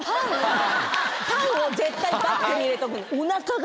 パンを絶対バッグに入れとく。